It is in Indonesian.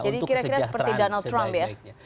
jadi kira kira seperti donald trump ya